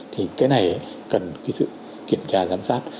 thì cái này cần kiểm tra giám sát